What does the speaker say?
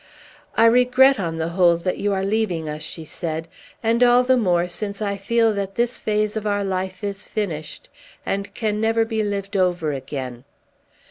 "I regret, on the whole, that you are leaving us," she said; "and all the more, since I feel that this phase of our life is finished, and can never be lived over again.